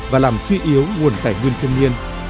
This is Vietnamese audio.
và làm suy yếu nguồn tài nguyên thiên nhiên